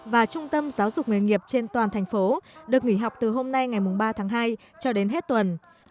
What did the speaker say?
và trung tâm giáo dục nghề nghiệp trên toàn thành phố được nghỉ học từ hôm nay ngày ba tháng hai cho đến hết tuần